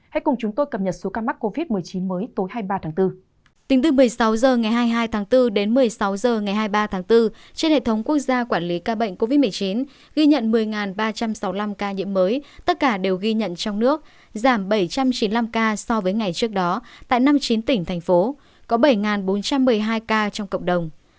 hãy cùng chúng tôi cập nhật số ca mắc covid một mươi chín mới tối hai mươi ba tháng bốn